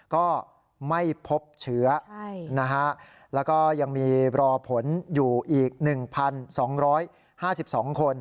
ก็ไม่พบเชื้อแล้วก็ยังมีรอผลอยู่อีก๑๒๕๒คน